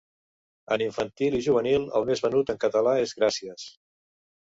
En infantil i juvenil, el més venut en català és Gràcies.